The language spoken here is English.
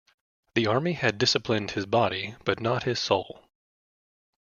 The army had disciplined his body, but not his soul.